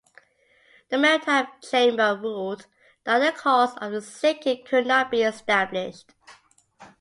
The Maritime Chamber ruled that the cause of the sinking could not be established.